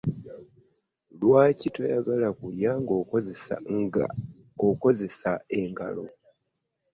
Lwaki toyagala kulya nga okozesa engalo?